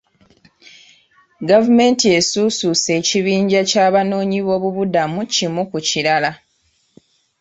Gavumenti esuusuuse ekibinja ky'abanoonyiboobubudamu kimu ku kirala.